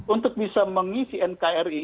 untuk bisa mengisi nkri